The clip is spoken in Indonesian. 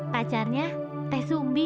pacarnya teh sumbi